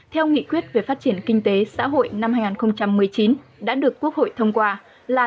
theo nghị quyết về phát triển kinh tế xã hội năm hai nghìn một mươi chín đã được quốc hội thông qua là